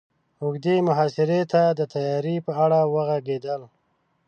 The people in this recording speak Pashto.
اوږدې محاصرې ته د تياري په اړه وغږېدل.